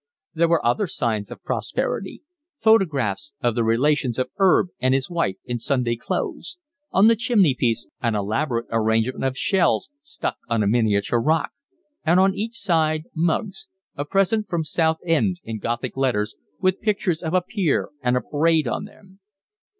There were other signs of prosperity: photographs of the relations of 'Erb and his wife in Sunday clothes; on the chimney piece an elaborate arrangement of shells stuck on a miniature rock; and on each side mugs, 'A present from Southend' in Gothic letters, with pictures of a pier and a parade on them.